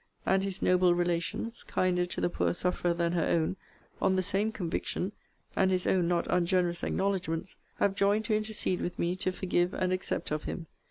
And his noble relations, (kinder to the poor sufferer than her own,) on the same conviction, and his own not ungenerous acknowledgements, have joined to intercede with me to forgive and accept of him.